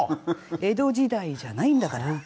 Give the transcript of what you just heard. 江戸時代じゃないんだから。